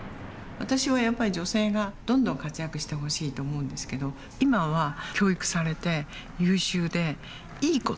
私はやっぱり女性がどんどん活躍してほしいと思うんですけど今は教育されて優秀で「いい子」っていうのが多いのよ。